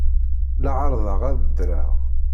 La ɛerrḍeɣ ad ddreɣ.